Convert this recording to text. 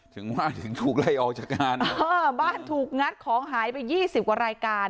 ถึงว่าถึงถูกไล่ออกจากการเออบ้านถูกงัดของหายไปยี่สิบกว่ารายการ